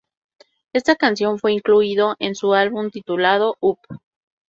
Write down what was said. Esta canción fue incluido en su álbum titulado "Up".